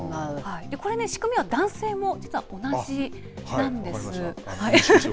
これね、仕組みは男性も実は同じなんです。